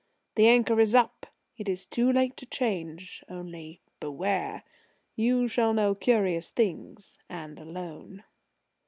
The anchor is up; it is too late to change. Only beware! You shall know curious things and alone!"